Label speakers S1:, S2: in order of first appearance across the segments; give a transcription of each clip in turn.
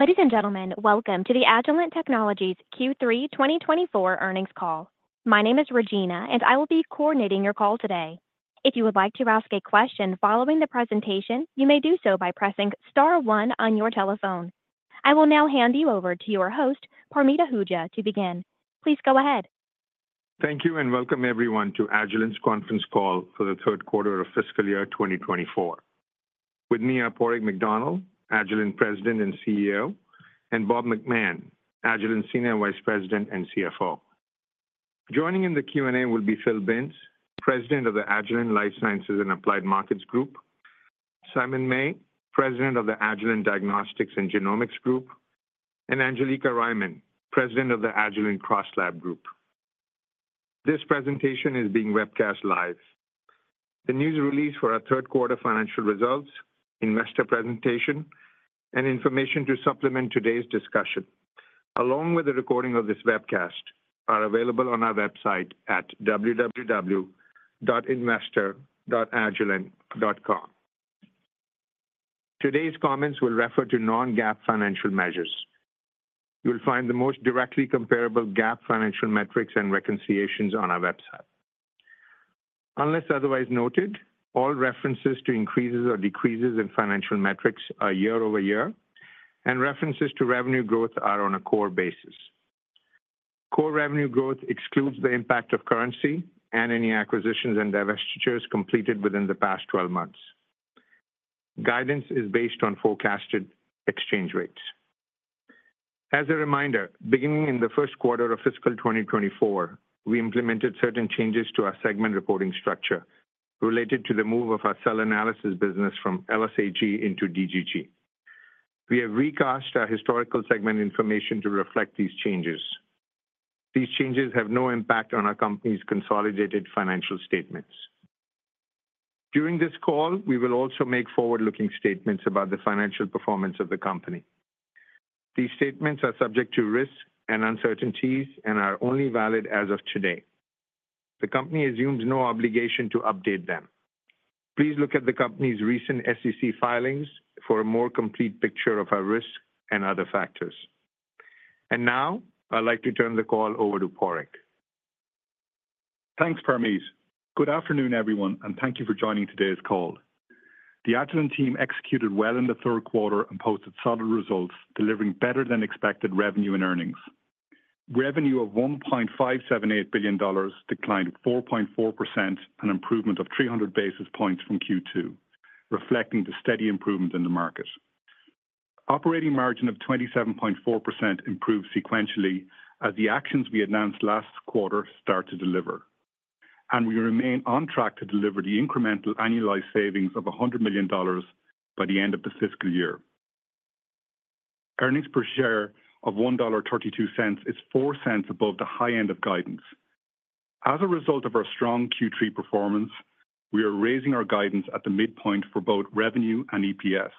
S1: Ladies and gentlemen, welcome to the Agilent Technologies Q3 2024 earnings call. My name is Regina, and I will be coordinating your call today. If you would like to ask a question following the presentation, you may do so by pressing star one on your telephone. I will now hand you over to your host, Parmeet Ahuja, to begin. Please go ahead.
S2: Thank you, and welcome everyone to Agilent's conference call for the third quarter of fiscal year 2024. With me are Padraig McDonnell, Agilent President and CEO, and Bob McMahon, Agilent Senior Vice President and CFO. Joining in the Q&A will be Philip Binns, President of the Agilent Life Sciences and Applied Markets Group, Simon May, President of the Agilent Diagnostics and Genomics Group, and Angelica Riemann, President of the Agilent CrossLab Group. This presentation is being webcast live. The news release for our third quarter financial results, investor presentation, and information to supplement today's discussion, along with a recording of this webcast, are available on our website at www.investor.agilent.com. Today's comments will refer to non-GAAP financial measures. You'll find the most directly comparable GAAP financial metrics and reconciliations on our website. Unless otherwise noted, all references to increases or decreases in financial metrics are year over year, and references to revenue growth are on a core basis. Core revenue growth excludes the impact of currency and any acquisitions and divestitures completed within the past twelve months. Guidance is based on forecasted exchange rates. As a reminder, beginning in the first quarter of fiscal twenty twenty-four, we implemented certain changes to our segment reporting structure related to the move of our cell analysis business from LSAG into DGG. We have recast our historical segment information to reflect these changes. These changes have no impact on our company's consolidated financial statements. During this call, we will also make forward-looking statements about the financial performance of the company. These statements are subject to risks and uncertainties and are only valid as of today. The company assumes no obligation to update them. Please look at the company's recent SEC filings for a more complete picture of our risks and other factors, and now I'd like to turn the call over to Padraig.
S3: Thanks, Parmeet. Good afternoon, everyone, and thank you for joining today's call. The Agilent team executed well in the third quarter and posted solid results, delivering better than expected revenue and earnings. Revenue of $1.578 billion declined 4.4%, an improvement of 300 basis points from Q2, reflecting the steady improvement in the market. Operating margin of 27.4% improved sequentially as the actions we announced last quarter start to deliver, and we remain on track to deliver the incremental annualized savings of $100 million by the end of the fiscal year. Earnings per share of $1.32 is $0.04 above the high end of guidance. As a result of our strong Q3 performance, we are raising our guidance at the midpoint for both revenue and EPS,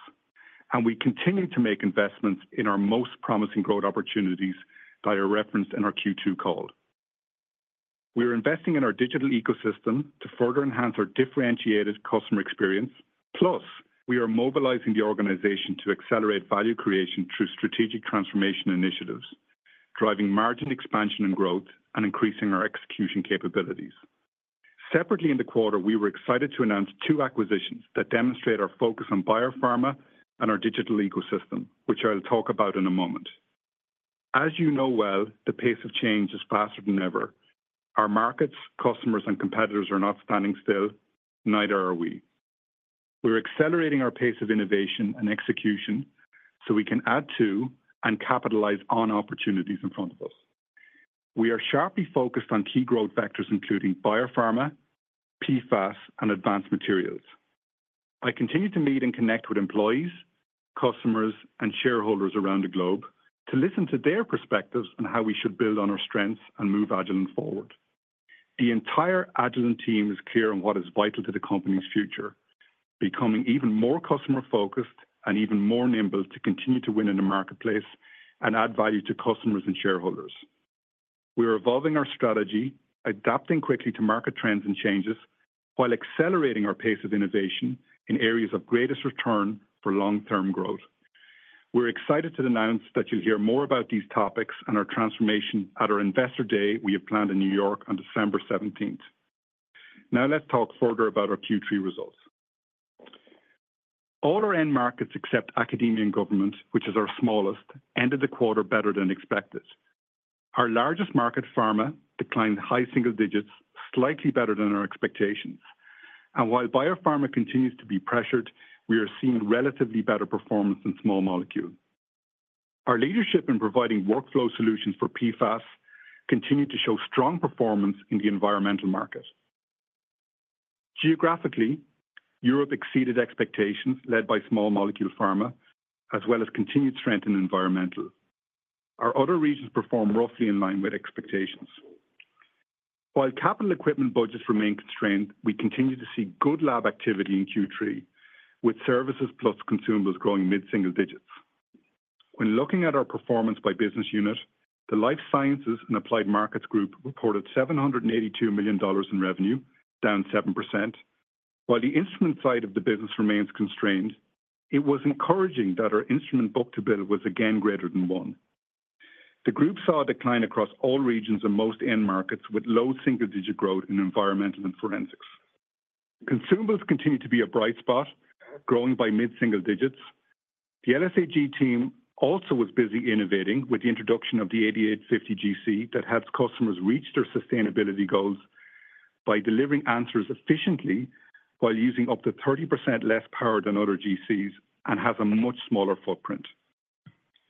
S3: and we continue to make investments in our most promising growth opportunities that are referenced in our Q2 call. We are investing in our digital ecosystem to further enhance our differentiated customer experience. Plus, we are mobilizing the organization to accelerate value creation through strategic transformation initiatives, driving margin expansion and growth and increasing our execution capabilities. Separately, in the quarter, we were excited to announce two acquisitions that demonstrate our focus on biopharma and our digital ecosystem, which I'll talk about in a moment. As you know well, the pace of change is faster than ever. Our markets, customers, and competitors are not standing still, neither are we. We're accelerating our pace of innovation and execution so we can add to and capitalize on opportunities in front of us. We are sharply focused on key growth vectors, including biopharma, PFAS, and advanced materials. I continue to meet and connect with employees, customers, and shareholders around the globe to listen to their perspectives on how we should build on our strengths and move Agilent forward. The entire Agilent team is clear on what is vital to the company's future, becoming even more customer-focused and even more nimble to continue to win in the marketplace and add value to customers and shareholders. We are evolving our strategy, adapting quickly to market trends and changes, while accelerating our pace of innovation in areas of greatest return for long-term growth. We're excited to announce that you'll hear more about these topics and our transformation at our Investor Day we have planned in New York on December seventeenth. Now, let's talk further about our Q3 results. All our end markets, except academia and government, which is our smallest, ended the quarter better than expected. Our largest market, pharma, declined high single digits, slightly better than our expectations, and while biopharma continues to be pressured, we are seeing relatively better performance in small molecule. Our leadership in providing workflow solutions for PFAS continued to show strong performance in the environmental market. Geographically, Europe exceeded expectations, led by small molecule pharma, as well as continued strength in environmental. Our other regions performed roughly in line with expectations. While capital equipment budgets remain constrained, we continue to see good lab activity in Q3, with services plus consumables growing mid-single digits. When looking at our performance by business unit, the Life Sciences and Applied Markets Group reported $782 million in revenue, down 7%.... While the instrument side of the business remains constrained, it was encouraging that our instrument book-to-bill was again greater than one. The group saw a decline across all regions and most end markets, with low single-digit growth in environmental and forensics. Consumables continued to be a bright spot, growing by mid-single digits. The LSAG team also was busy innovating with the introduction of the 8850 GC that helps customers reach their sustainability goals by delivering answers efficiently, while using up to 30% less power than other GCs and has a much smaller footprint.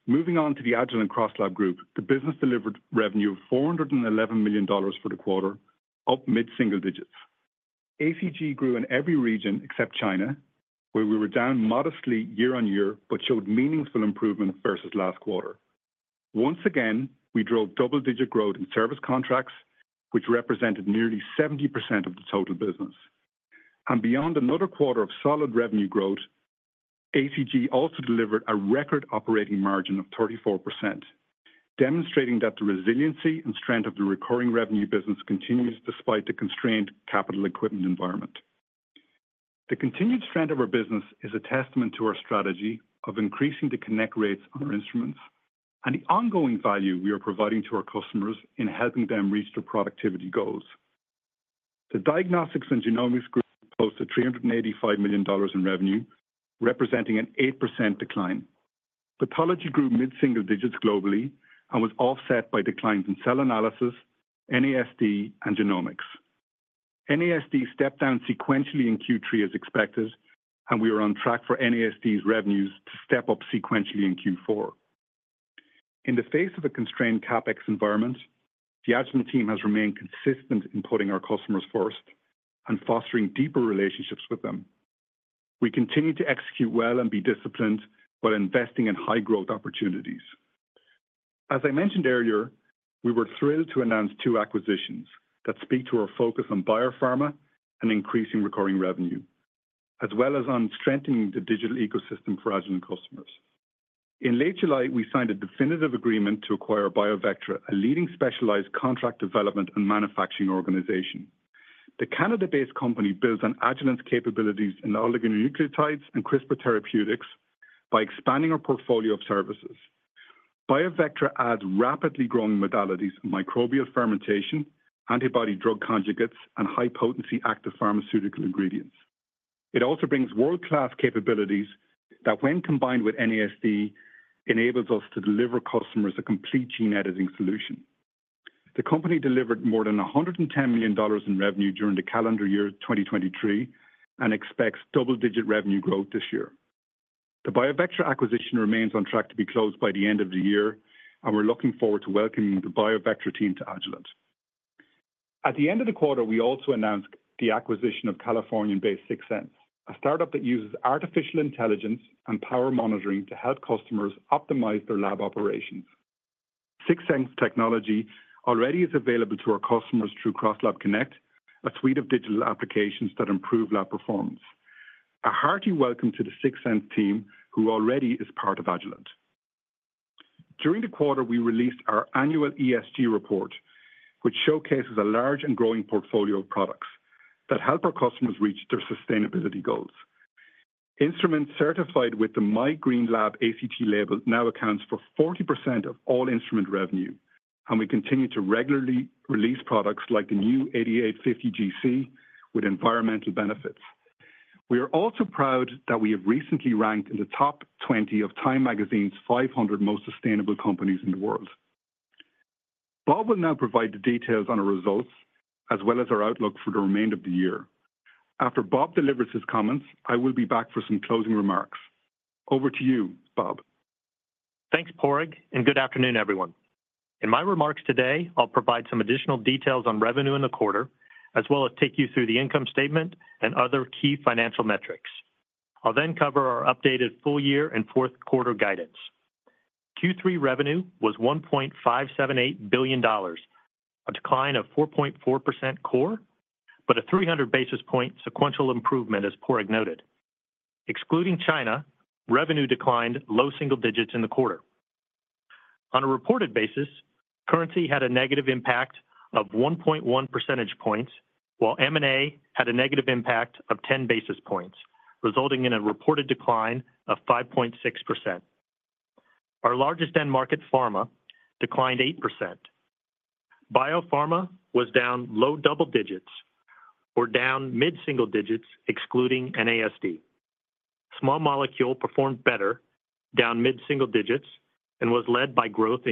S3: Moving on to the Agilent CrossLab Group, the business delivered revenue of $411 million for the quarter, up mid-single digits. ACG grew in every region except China, where we were down modestly year on year, but showed meaningful improvement versus last quarter. Once again, we drove double-digit growth in service contracts, which represented nearly 70% of the total business. Beyond another quarter of solid revenue growth, ACG also delivered a record operating margin of 34%, demonstrating that the resiliency and strength of the recurring revenue business continues despite the constrained capital equipment environment. The continued strength of our business is a testament to our strategy of increasing the connect rates on our instruments and the ongoing value we are providing to our customers in helping them reach their productivity goals. The diagnostics and genomics group posted $385 million in revenue, representing an 8% decline. Pathology grew mid-single digits globally and was offset by declines in cell analysis, NASD, and genomics. NASD stepped down sequentially in Q3 as expected, and we are on track for NASD's revenues to step up sequentially in Q4. In the face of a constrained CapEx environment, the Agilent team has remained consistent in putting our customers first and fostering deeper relationships with them. We continue to execute well and be disciplined while investing in high growth opportunities. As I mentioned earlier, we were thrilled to announce two acquisitions that speak to our focus on biopharma and increasing recurring revenue, as well as on strengthening the digital ecosystem for Agilent customers. In late July, we signed a definitive agreement to acquire BioVectra, a leading specialized contract development and manufacturing organization. The Canada-based company builds on Agilent's capabilities in oligonucleotides and CRISPR therapeutics by expanding our portfolio of services. BioVectra adds rapidly growing modalities, microbial fermentation, antibody drug conjugates, and high-potency active pharmaceutical ingredients. It also brings world-class capabilities that, when combined with NASD, enables us to deliver customers a complete gene editing solution. The company delivered more than $110 million in revenue during the calendar year 2023 and expects double-digit revenue growth this year. The BioVectra acquisition remains on track to be closed by the end of the year, and we're looking forward to welcoming the BioVectra team to Agilent. At the end of the quarter, we also announced the acquisition of California-based Sigsense, a startup that uses artificial intelligence and power monitoring to help customers optimize their lab operations. Sigsense technology already is available to our customers through CrossLab Connect, a suite of digital applications that improve lab performance. A hearty welcome to the Sigsense team, who already is part of Agilent. During the quarter, we released our annual ESG report, which showcases a large and growing portfolio of products that help our customers reach their sustainability goals. Instruments certified with the My Green Lab ACT label now accounts for 40% of all instrument revenue, and we continue to regularly release products like the new 8850 GC with environmental benefits. We are also proud that we have recently ranked in the top 20 of Time Magazine's 500 most sustainable companies in the world. Bob will now provide the details on our results, as well as our outlook for the remainder of the year. After Bob delivers his comments, I will be back for some closing remarks. Over to you, Bob.
S4: Thanks, Padraig, and good afternoon, everyone. In my remarks today, I'll provide some additional details on revenue in the quarter, as well as take you through the income statement and other key financial metrics. I'll then cover our updated full year and fourth quarter guidance. Q3 revenue was $1.578 billion, a decline of 4.4% core, but a 300 basis point sequential improvement, as Padraig noted. Excluding China, revenue declined low single digits in the quarter. On a reported basis, currency had a negative impact of 1.1 percentage points, while M&A had a negative impact of 10 basis points, resulting in a reported decline of 5.6%. Our largest end market, pharma, declined 8%. Biopharma was down low double digits or down mid-single digits, excluding NASD. Small molecule performed better, down mid-single digits, and was led by growth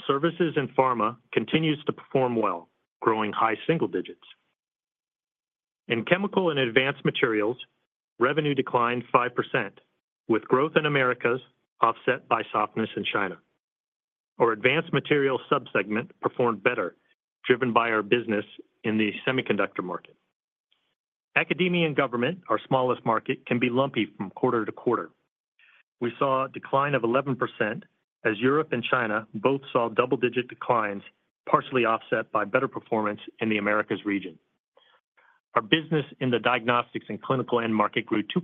S4: in Europe. Services and pharma continues to perform well, growing high single digits. In chemical and advanced materials, revenue declined 5%, with growth in Americas offset by softness in China. Our advanced materials subsegment performed better, driven by our business in the semiconductor market. Academia and government, our smallest market, can be lumpy from quarter to quarter. We saw a decline of 11% as Europe and China both saw double-digit declines, partially offset by better performance in the Americas region. Our business in the diagnostics and clinical end market grew 2%,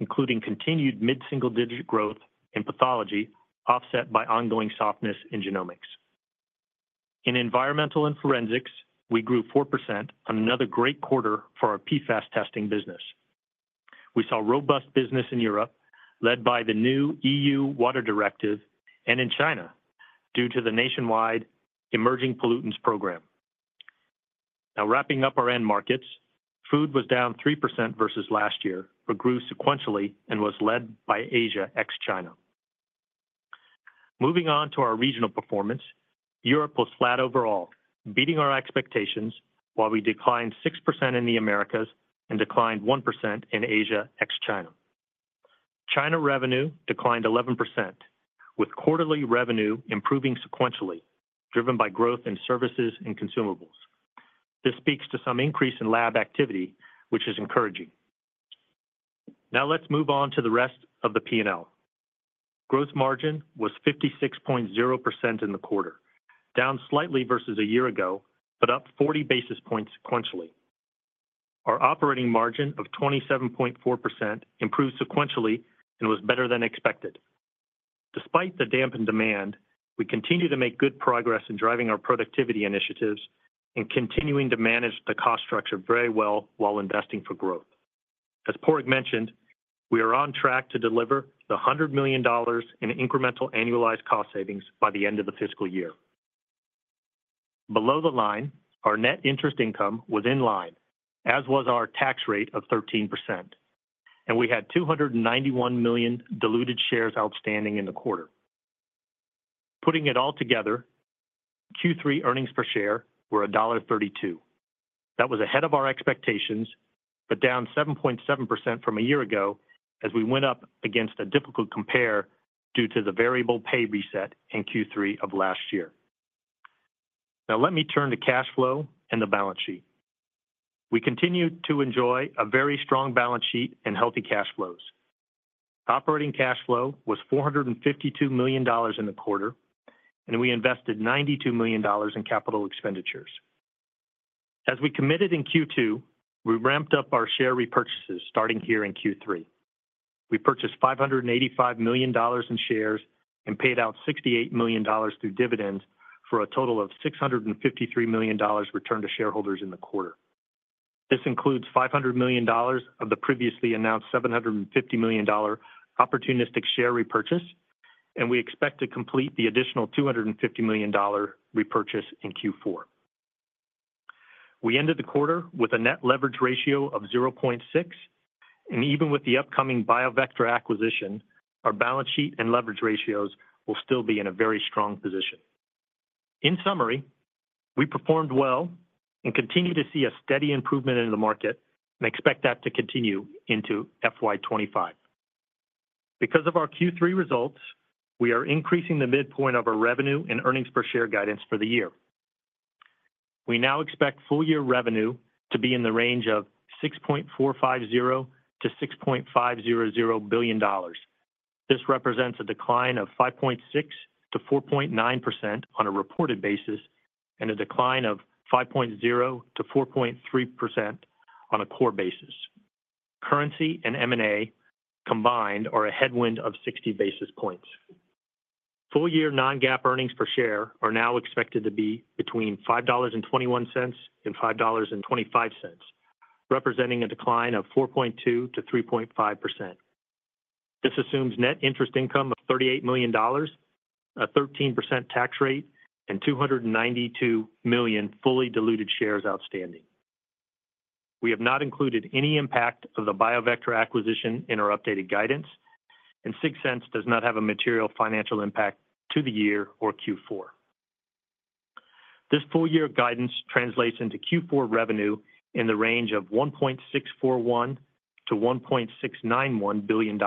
S4: including continued mid-single-digit growth in pathology, offset by ongoing softness in genomics. In environmental and forensics, we grew 4% on another great quarter for our PFAS testing business. We saw robust business in Europe, led by the new EU Water Directive, and in China, due to the nationwide emerging pollutants program. Now, wrapping up our end markets, food was down 3% versus last year, but grew sequentially and was led by Asia, ex-China. Moving on to our regional performance, Europe was flat overall, beating our expectations, while we declined 6% in the Americas and declined 1% in Asia, ex-China. China revenue declined 11%, with quarterly revenue improving sequentially, driven by growth in services and consumables. This speaks to some increase in lab activity, which is encouraging. Now let's move on to the rest of the P&L. Gross margin was 56.0% in the quarter, down slightly versus a year ago, but up 40 basis points sequentially. Our operating margin of 27.4% improved sequentially and was better than expected. Despite the dampened demand, we continue to make good progress in driving our productivity initiatives and continuing to manage the cost structure very well while investing for growth. As Padraig mentioned, we are on track to deliver $100 million in incremental annualized cost savings by the end of the fiscal year. Below the line, our net interest income was in line, as was our tax rate of 13%, and we had 291 million diluted shares outstanding in the quarter. Putting it all together, Q3 earnings per share were $1.32. That was ahead of our expectations, but down 7.7% from a year ago as we went up against a difficult compare due to the variable pay reset in Q3 of last year. Now let me turn to cash flow and the balance sheet. We continue to enjoy a very strong balance sheet and healthy cash flows. Operating cash flow was $452 million in the quarter, and we invested $92 million in capital expenditures. As we committed in Q2, we ramped up our share repurchases, starting here in Q3. We purchased $585 million in shares and paid out $68 million through dividends for a total of $653 million returned to shareholders in the quarter. This includes $500 million of the previously announced $750 million opportunistic share repurchase, and we expect to complete the additional $250 million repurchase in Q4. We ended the quarter with a net leverage ratio of 0.6, and even with the upcoming BioVectra acquisition, our balance sheet and leverage ratios will still be in a very strong position. In summary, we performed well and continue to see a steady improvement in the market and expect that to continue into FY 2025. Because of our Q3 results, we are increasing the midpoint of our revenue and earnings per share guidance for the year. We now expect full year revenue to be in the range of $6.450-$6.500 billion. This represents a decline of 5.6%-4.9% on a reported basis and a decline of 5.0%-4.3% on a core basis. Currency and M&A combined are a headwind of 60 basis points. Full year non-GAAP earnings per share are now expected to be between $5.21 and $5.25, representing a decline of 4.2% to 3.5%. This assumes net interest income of $38 million, a 13% tax rate, and 292 million fully diluted shares outstanding. We have not included any impact of the BioVectra acquisition in our updated guidance, and Sigsense does not have a material financial impact to the year or Q4. This full year guidance translates into Q4 revenue in the range of $1.641 billion to $1.691 billion.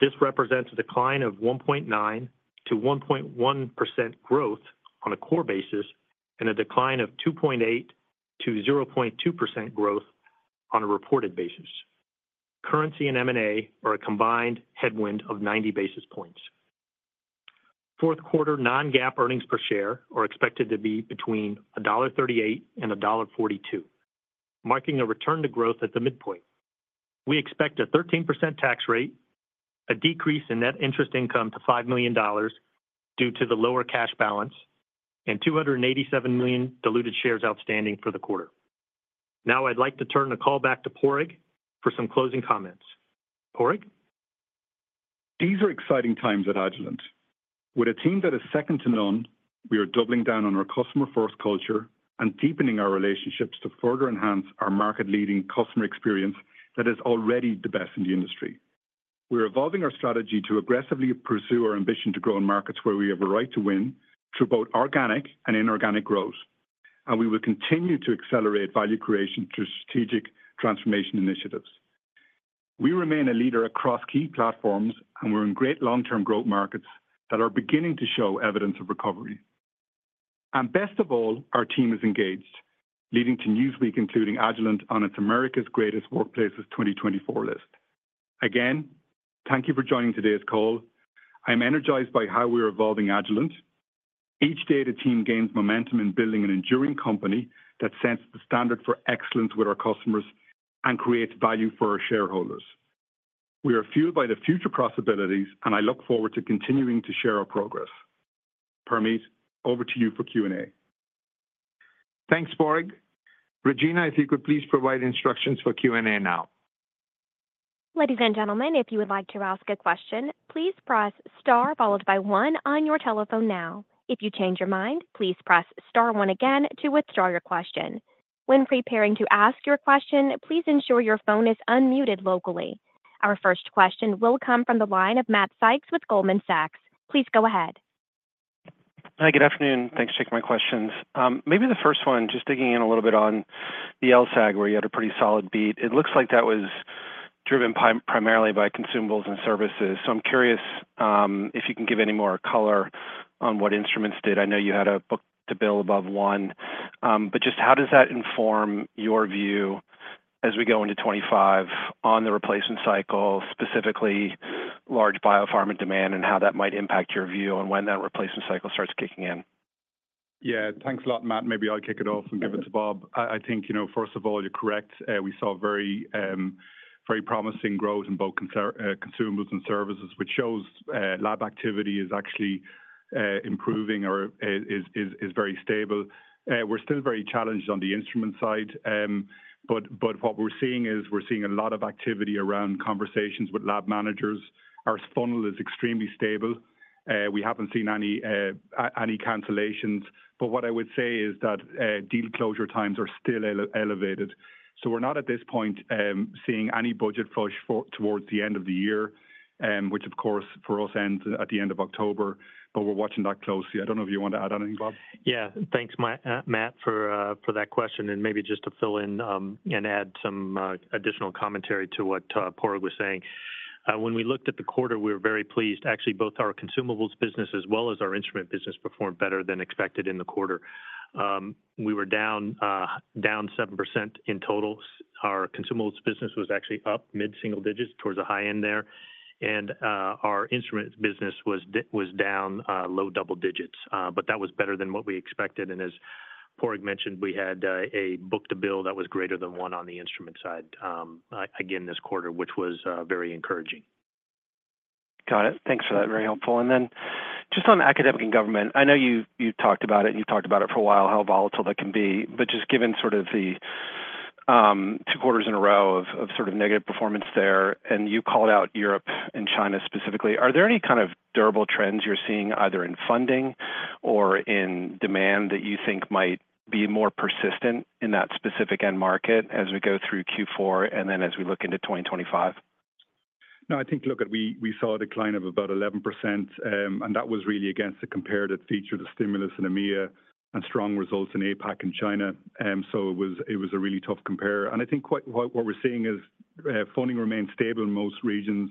S4: This represents a decline of 1.9% to 1.1% growth on a core basis and a decline of 2.8% to 0.2% growth on a reported basis. Currency and M&A are a combined headwind of 90 basis points. Fourth quarter non-GAAP earnings per share are expected to be between $1.38 and $1.42, marking a return to growth at the midpoint. We expect a 13% tax rate, a decrease in net interest income to $5 million due to the lower cash balance, and 287 million diluted shares outstanding for the quarter. Now, I'd like to turn the call back to Padraig for some closing comments. Padraig?
S3: These are exciting times at Agilent. With a team that is second to none, we are doubling down on our customer-first culture and deepening our relationships to further enhance our market-leading customer experience that is already the best in the industry. We're evolving our strategy to aggressively pursue our ambition to grow in markets where we have a right to win through both organic and inorganic growth, and we will continue to accelerate value creation through strategic transformation initiatives. We remain a leader across key platforms, and we're in great long-term growth markets that are beginning to show evidence of recovery. And best of all, our team is engaged, leading to Newsweek including Agilent on its America's Greatest Workplaces 2024 list. Again, thank you for joining today's call. I'm energized by how we are evolving Agilent. Each day, the team gains momentum in building an enduring company that sets the standard for excellence with our customers and creates value for our shareholders. We are fueled by the future possibilities, and I look forward to continuing to share our progress. Parmeet, over to you for Q&A.
S2: Thanks, Padraig. Regina, if you could please provide instructions for Q&A now.
S1: Ladies and gentlemen, if you would like to ask a question, please press star followed by one on your telephone now. If you change your mind, please press star one again to withdraw your question. When preparing to ask your question, please ensure your phone is unmuted locally. Our first question will come from the line of Matt Sykes with Goldman Sachs. Please go ahead.
S5: Hi, good afternoon. Thanks for taking my questions. Maybe the first one, just digging in a little bit on the LSAG, where you had a pretty solid beat. It looks like that was driven primarily by consumables and services. So I'm curious, if you can give any more color on what instruments did. I know you had a book-to-bill above one. But just how does that inform your view as we go into 2025 on the replacement cycle, specifically large biopharma demand, and how that might impact your view on when that replacement cycle starts kicking in?
S3: Yeah. Thanks a lot, Matt. Maybe I'll kick it off and give it to Bob. I think, you know, first of all, you're correct. We saw very, very promising growth in both consumables and services, which shows lab activity is actually improving or is very stable. We're still very challenged on the instrument side. But what we're seeing is, we're seeing a lot of activity around conversations with lab managers. Our funnel is extremely stable. We haven't seen any any cancellations, but what I would say is that deal closure times are still elevated. So we're not, at this point, seeing any budget push towards the end of the year, which of course, for us, ends at the end of October, but we're watching that closely. I don't know if you want to add anything, Bob.
S4: Yeah. Thanks, Matt, for that question. Maybe just to fill in and add some additional commentary to what Padraig was saying. When we looked at the quarter, we were very pleased. Actually, both our consumables business as well as our instrument business performed better than expected in the quarter. We were down 7% in total. Our consumables business was actually up mid-single digits, towards the high end there. Our instrument business was down low double digits, but that was better than what we expected. As Padraig mentioned, we had a book-to-bill that was greater than one on the instrument side, again, this quarter, which was very encouraging.
S5: Got it. Thanks for that. Very helpful. And then just on academic and government, I know you talked about it, and you've talked about it for a while, how volatile that can be. But just given sort of the two quarters in a row of sort of negative performance there, and you called out Europe and China specifically, are there any kind of durable trends you're seeing, either in funding or in demand, that you think might be more persistent in that specific end market as we go through Q4, and then as we look into twenty twenty-five?
S3: No, I think look at what we saw a decline of about 11%, and that was really against the comparable, the stimulus in EMEA, and strong results in APAC and China. So it was a really tough compare. And I think what we're seeing is funding remains stable in most regions,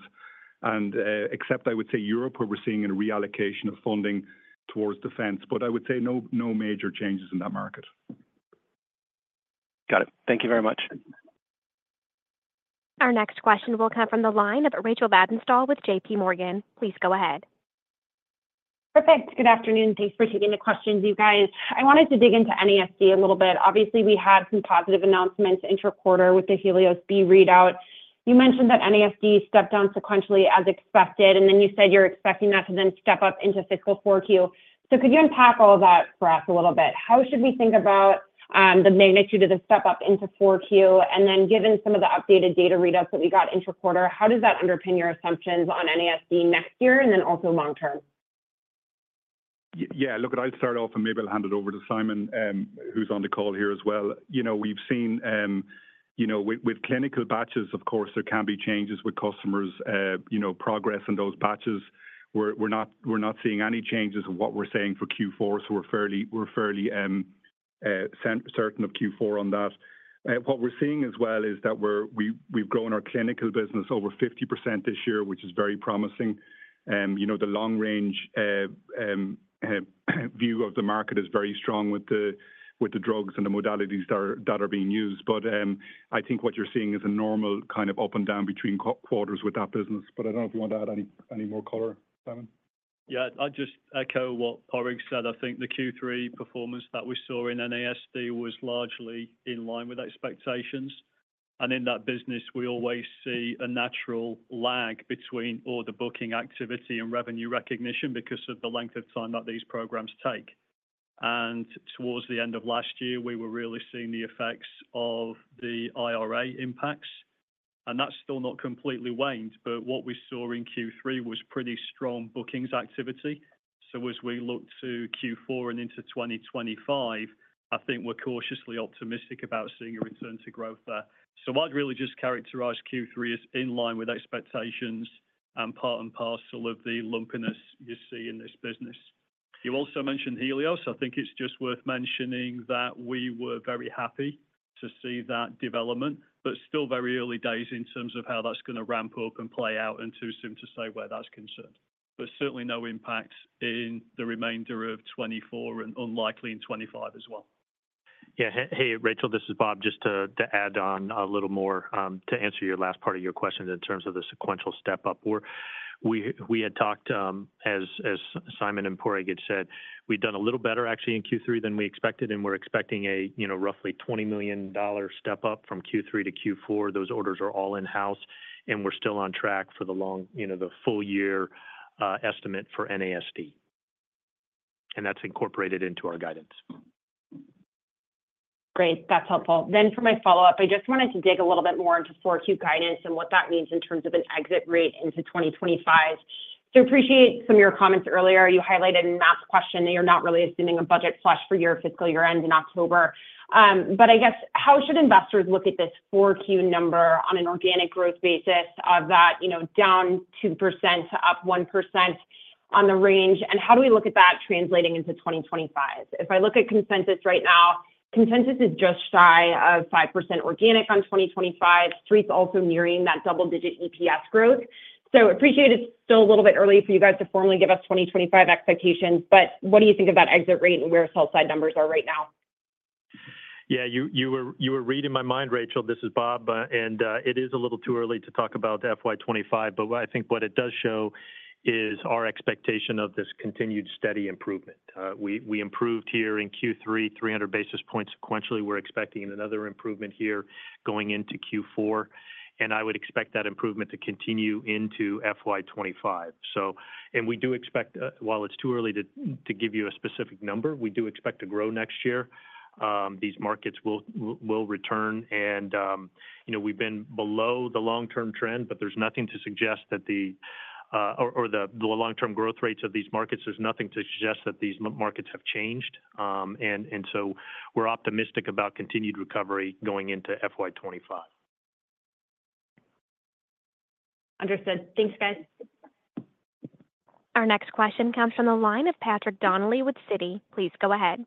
S3: and except I would say Europe, where we're seeing a reallocation of funding towards defense. But I would say no major changes in that market.
S5: Got it. Thank you very much.
S1: Our next question will come from the line of Rachel Vatnsdal with JP Morgan. Please go ahead.
S6: Perfect. Good afternoon. Thanks for taking the questions, you guys. I wanted to dig into NASD a little bit. Obviously, we had some positive announcements interquarter with the HELIOS-B readout. You mentioned that NASD stepped down sequentially as expected, and then you said you're expecting that to then step up into fiscal four Q. So could you unpack all that for us a little bit? How should we think about the magnitude of the step-up into four Q? And then, given some of the updated data readouts that we got interquarter, how does that underpin your assumptions on NASD next year, and then also long term?
S3: Yeah, look, I'd start off, and maybe I'll hand it over to Simon, who's on the call here as well. You know, we've seen, you know, with clinical batches, of course, there can be changes with customers, you know, progress in those batches. We're not seeing any changes in what we're seeing for Q4, so we're fairly certain of Q4 on that. What we're seeing as well is that we've grown our clinical business over 50% this year, which is very promising. You know, the long range view of the market is very strong with the drugs and the modalities that are being used. But I think what you're seeing is a normal kind of up and down between quarters with that business. But I don't know if you want to add any more color, Simon?
S7: Yeah, I'd just echo what Padraig said. I think the Q3 performance that we saw in NASD was largely in line with expectations. And in that business, we always see a natural lag between all the booking activity and revenue recognition because of the length of time that these programs take. And towards the end of last year, we were really seeing the effects of the IRA impacts, and that's still not completely waned. But what we saw in Q3 was pretty strong bookings activity. So as we look to Q4 and into twenty twenty-five, I think we're cautiously optimistic about seeing a return to growth there. So I'd really just characterize Q3 as in line with expectations and part and parcel of the lumpiness you see in this business. You also mentioned Helios. I think it's just worth mentioning that we were very happy to see that development, but still very early days in terms of how that's going to ramp up and play out and too soon to say where that's concerned. But certainly no impact in the remainder of 2024 and unlikely in 2025 as well.
S4: Yeah. Hey, Rachel, this is Bob. Just to add on a little more to answer your last part of your question in terms of the sequential step-up. We had talked, as Simon and Padraig had said, we've done a little better actually in Q3 than we expected, and we're expecting a, you know, roughly $20 million step-up from Q3 to Q4. Those orders are all in-house, and we're still on track for the long, you know, the full year estimate for NASD. And that's incorporated into our guidance.
S6: Great, that's helpful. Then for my follow-up, I just wanted to dig a little bit more into 4Q guidance and what that means in terms of an exit rate into twenty twenty-five. So appreciate some of your comments earlier. You highlighted in Matt's question that you're not really assuming a budget flush for your fiscal year-end in October. But I guess, how should investors look at this 4Q number on an organic growth basis of that, you know, down 2% to up 1% on the range? And how do we look at that translating into twenty twenty-five? If I look at consensus right now, consensus is just shy of 5% organic on twenty twenty-five. Street's also nearing that double-digit EPS growth. I appreciate it's still a little bit early for you guys to formally give us 2025 expectations, but what do you think of that exit rate and where sell-side numbers are right now?
S4: Yeah, you were reading my mind, Rachel. This is Bob, and it is a little too early to talk about FY 2025, but what I think it does show is our expectation of this continued steady improvement. We improved here in Q3, 300 basis points sequentially. We're expecting another improvement here going into Q4, and I would expect that improvement to continue into FY 2025. So, and we do expect, while it's too early to give you a specific number, we do expect to grow next year. These markets will return and, you know, we've been below the long-term trend, but there's nothing to suggest that the or the long-term growth rates of these markets have changed. So we're optimistic about continued recovery going into FY twenty-five.
S6: Understood. Thanks, guys.
S1: Our next question comes from the line of Patrick Donnelly with Citi. Please go ahead.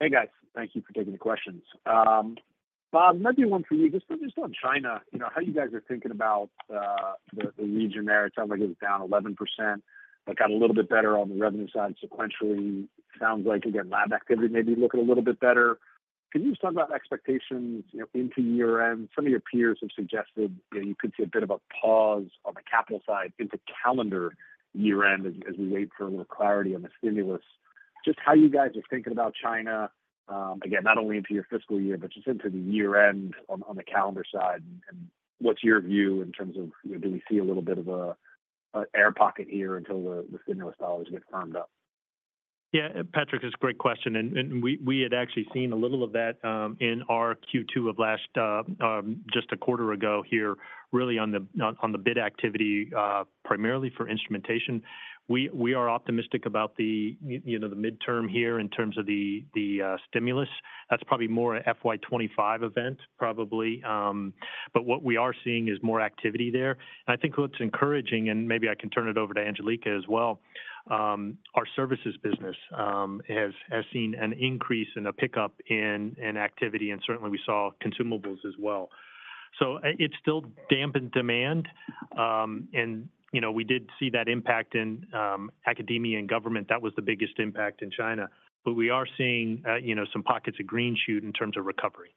S8: Hey, guys. Thank you for taking the questions. Bob, maybe one for you. Just on China, you know, how you guys are thinking about the region there? It sounds like it was down 11%. It got a little bit better on the revenue side sequentially. Sounds like, again, lab activity maybe looking a little bit better. Can you just talk about expectations, you know, into year-end? Some of your peers have suggested that you could see a bit of a pause on the capital side into calendar year-end as we wait for a little clarity on the stimulus. Just how you guys are thinking about China, again, not only into your fiscal year, but just into the year-end on the calendar side, and what's your view in terms of, you know, do we see a little bit of a air pocket here until the stimulus dollars get farmed out?
S4: Yeah, Patrick, it's a great question, and we had actually seen a little of that in our Q2 of last just a quarter ago here, really on the bid activity primarily for instrumentation. We are optimistic about the you know the midterm here in terms of the stimulus. That's probably more a FY 2025 event, probably. But what we are seeing is more activity there. And I think what's encouraging, and maybe I can turn it over to Angelica as well, our services business has seen an increase and a pickup in activity, and certainly we saw consumables as well. So it's still dampened demand, and, you know, we did see that impact in academia and government. That was the biggest impact in China. But we are seeing, you know, some pockets of green shoots in terms of recovery.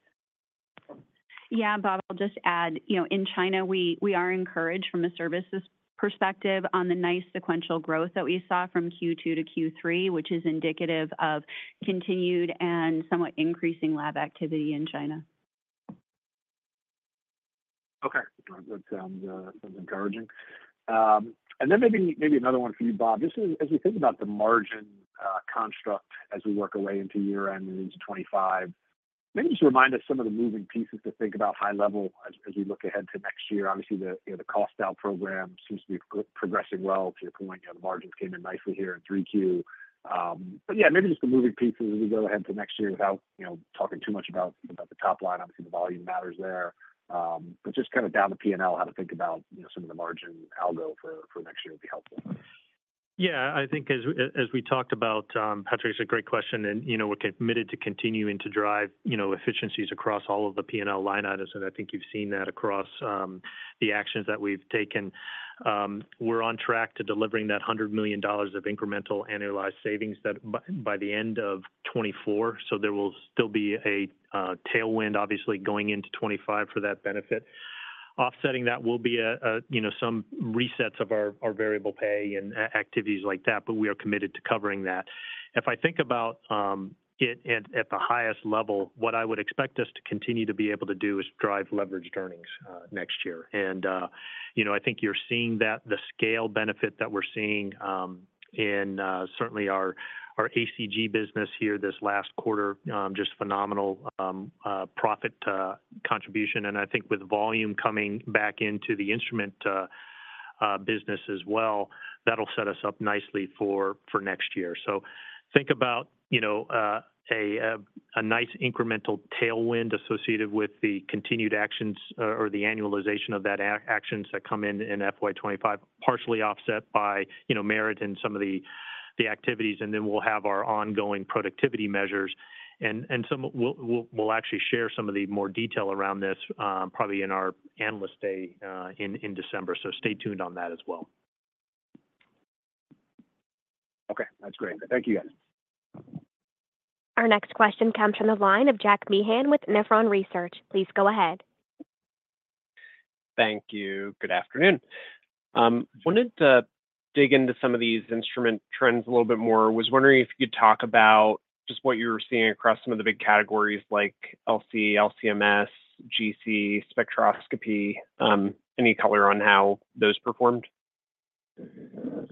S9: Yeah, Bob, I'll just add, you know, in China, we are encouraged from a services perspective on the nice sequential growth that we saw from Q2 to Q3, which is indicative of continued and somewhat increasing lab activity in China.
S8: Okay. Well, that sounds encouraging. And then maybe another one for you, Bob. This is as we think about the margin construct as we work our way into year-end and into 2025, maybe just remind us some of the moving pieces to think about high level as we look ahead to next year. Obviously, the, you know, the cost out program seems to be progressing well. To your point, the margins came in nicely here in 3Q. But yeah, maybe just the moving pieces as we go ahead to next year without, you know, talking too much about the top line. Obviously, the volume matters there. But just kind of down to P&L, how to think about, you know, some of the margin algo for next year would be helpful.
S4: Yeah, I think as we talked about, Patrick, it's a great question, and, you know, we're committed to continuing to drive, you know, efficiencies across all of the P&L line items, and I think you've seen that across the actions that we've taken. We're on track to delivering that $100 million of incremental annualized savings that by the end of 2024, so there will still be a tailwind, obviously, going into 2025 for that benefit. Offsetting that will be a, you know, some resets of our variable pay and activities like that, but we are committed to covering that. If I think about it at the highest level, what I would expect us to continue to be able to do is drive leveraged earnings next year. You know, I think you're seeing that, the scale benefit that we're seeing, in certainly our ACG business here this last quarter, just phenomenal profit contribution. I think with volume coming back into the instrument business as well, that'll set us up nicely for next year. Think about, you know, a nice incremental tailwind associated with the continued actions or the annualization of that actions that come in FY 2025, partially offset by merit and some of the activities, and then we'll have our ongoing productivity measures. And some. We'll actually share some of the more detail around this, probably in our Analyst Day in December, so stay tuned on that as well.
S8: Okay, that's great. Thank you, guys.
S1: Our next question comes from the line of Jack Meehan with Nephron Research. Please go ahead.
S10: Thank you. Good afternoon. Wanted to dig into some of these instrument trends a little bit more. Was wondering if you could talk about just what you're seeing across some of the big categories like LC, LC-MS, GC, spectroscopy. Any color on how those performed?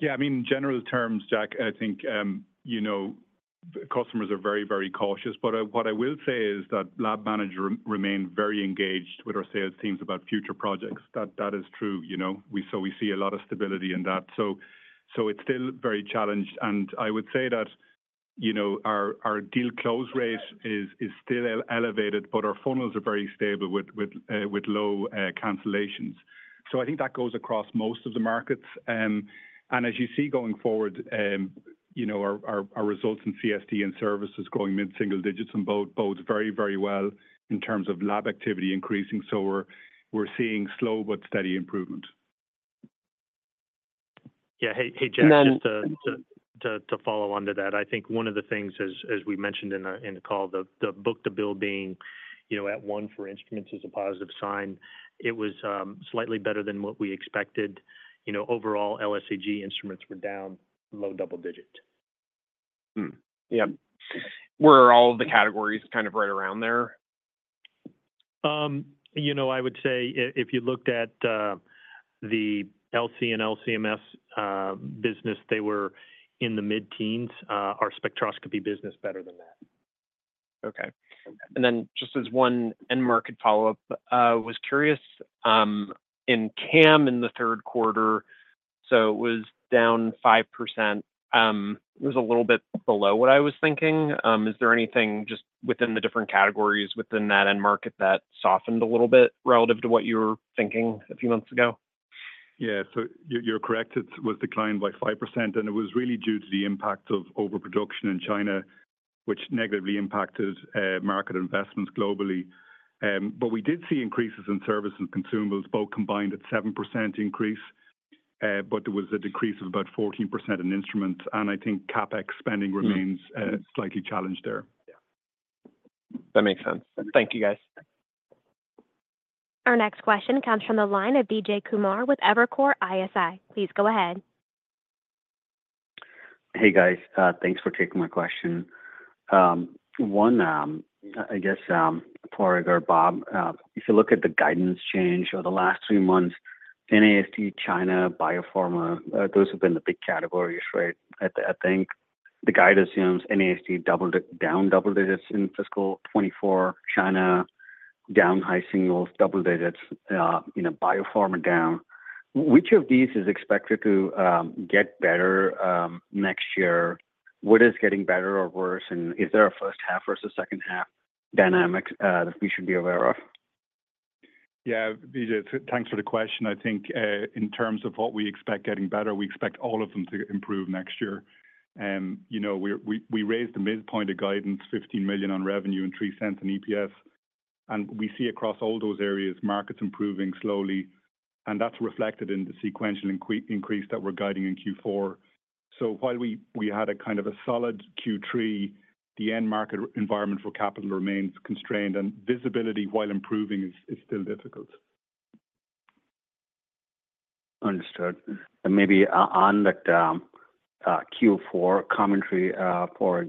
S3: Yeah, I mean, in general terms, Jack, I think you know, customers are very, very cautious. But what I will say is that lab managers remain very engaged with our sales teams about future projects. That is true, you know. So we see a lot of stability in that. So it's still very challenged, and I would say that you know, our deal close rate is still elevated, but our funnels are very stable with low cancellations. So I think that goes across most of the markets. And as you see going forward, you know, our results in CSD and services growing mid-single digits and both very well in terms of lab activity increasing. So we're seeing slow but steady improvement.
S4: Yeah. Hey, hey, Jack. And then. Just to follow on to that. I think one of the things as we mentioned in the call, the book-to-bill being, you know, at one for instruments is a positive sign. It was slightly better than what we expected. You know, overall, LSAG instruments were down low double digit.
S10: Were all the categories kind of right around there?
S4: You know, I would say if you looked at the LC and LC-MS business, they were in the mid-teens. Our spectroscopy business better than that.
S10: Okay. And then just as one end market follow-up, was curious, in CAM in the third quarter, so it was down 5%. It was a little bit below what I was thinking. Is there anything just within the different categories, within that end market that softened a little bit relative to what you were thinking a few months ago?
S3: Yeah. So you, you're correct. It was declined by 5%, and it was really due to the impact of overproduction in China, which negatively impacted market investments globally. But we did see increases in service and consumables, both combined at 7% increase, but there was a decrease of about 14% in instruments, and I think CapEx spending remains slightly challenged there.
S10: Yeah. That makes sense. Thank you, guys.
S1: Our next question comes from the line of Vijay Kumar with Evercore ISI. Please go ahead.
S11: Hey, guys. Thanks for taking my question. One, I guess, Padraig or Bob, if you look at the guidance change over the last three months, NASD, China, biopharma, those have been the big categories, right? I think the guide assumes NASD down double digits in fiscal 2024, China down high singles, double digits, you know, biopharma down. Which of these is expected to get better next year? What is getting better or worse, and is there a first half versus second half dynamic that we should be aware of?
S3: Yeah, Vijay, thanks for the question. I think, in terms of what we expect getting better, we expect all of them to improve next year. You know, we raised the midpoint of guidance, $15 million on revenue and $0.03 in EPS, and we see across all those areas, markets improving slowly, and that's reflected in the sequential increase that we're guiding in Q4. So while we had a kind of a solid Q3, the end market environment for capital remains constrained, and visibility, while improving, is still difficult.
S11: Understood. And maybe on that Q4 commentary for